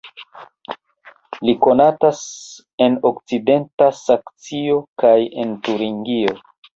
Li konatas en okcidenta Saksio kaj en Turingio.